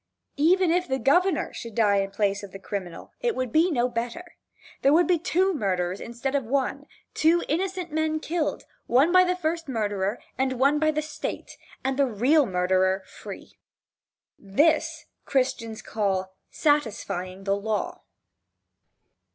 Even if the governor should die in the place of the criminal, it would be no better. There would be two murders instead of one, two innocent men killed, one by the first murderer and one by the State, and the real murderer free. This, Christians call, "satisfying the law."